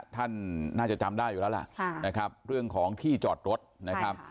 ท่านน่าจะจำได้อยู่แล้วล่ะนะครับเรื่องของที่จอดรถนะครับ